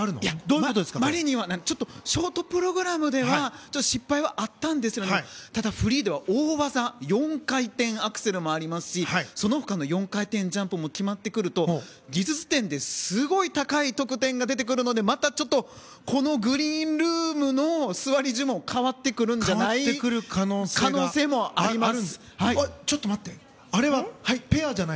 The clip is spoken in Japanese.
マリニンはショートプログラムでは失敗はあったんですがただ、フリーでは大技４回転アクセルもありますしその他の４回転ジャンプも決まってくると技術点ですごい高い得点が出てくるのでまたこのグリーンルームの座り順も変わってくる可能性もあります。